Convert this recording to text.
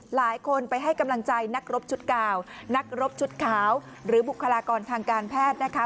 หลายคนไปให้กำลังใจนักรบชุดเก่านักรบชุดขาวหรือบุคลากรทางการแพทย์นะคะ